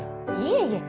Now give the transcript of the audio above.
いえいえ。